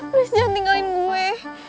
please jangan tinggalin gue